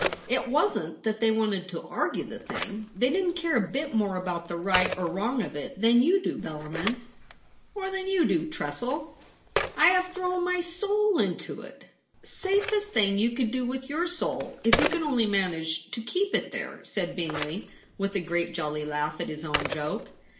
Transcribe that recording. It wasn't that they wanted to argue the thing. They didn't care a bit more about the right or wrong of it than you do, Bellarmin.' ' Or than you do, Tressel' ' I have thrown my soul into it.' * Safest thing you could do with your soul, if you can only manage to keep it there,' said Bingley, with a great jolly laugh at his own joke.